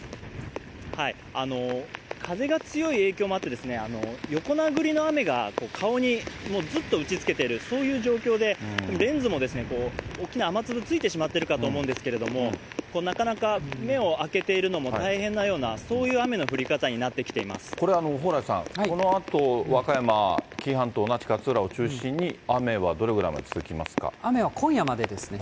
風が強い影響もあって、横殴りの雨が顔にずっと打ちつけている、そういう状況で、レンズも大きな雨粒、ついてしまっているかと思うんですけれども、なかなか目を開けているのも大変なような、そういう雨の降り方にこれ、蓬莱さん、このあと和歌山、紀伊半島、那智勝浦を中心に雨はどれぐらいまで雨は今夜までですね。